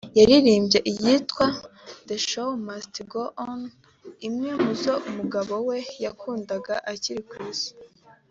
yaririmbye iyitwa “The Show Must Go On” imwe mu zo umugabo we yakundaga akiri ku Isi